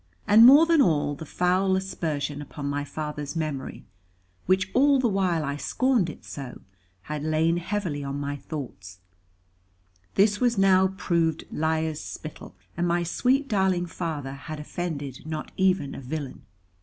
And more than all, the foul aspersion upon my father's memory, which all the while I scorned it so, had lain heavily on my thoughts, this was now proved liar's spittle, and my sweet darling father had offended not even a villain.